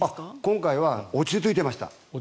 今回は落ち着いてました。